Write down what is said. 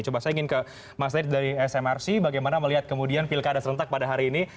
coba saya ingin ke mas said dari smrc bagaimana melihat kemudian pilkada serentak pada hari ini